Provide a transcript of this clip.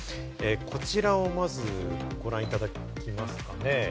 こちらをまず、ご覧いただきますかね。